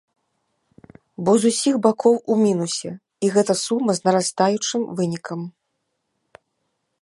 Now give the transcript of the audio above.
Бо з усіх бакоў у мінусе, і гэта сума з нарастаючым вынікам.